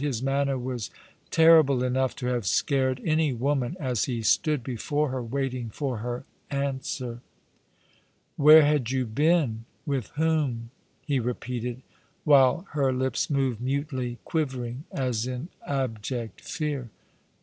His manner was terrible enough to have scared any woman, as he stood before her, waiting for her answer. " Where had you been — with whom ?" he repeated, while her lips moved mutely, quivering as in abject fear.